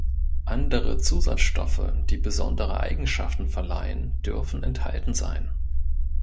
Andere Zusatzstoffe, die besondere Eigenschaften verleihen, dürfen enthalten sein.